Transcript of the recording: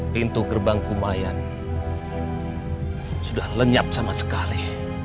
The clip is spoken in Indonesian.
pintu gerbang kumayan sudah lenyap sama sekali